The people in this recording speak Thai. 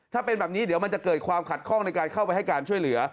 ถ้าเป็นแบบนี้เดี๋ยวมันจะเกิดความขัดข้องในการเข้าไปให้การช่วยเหลือ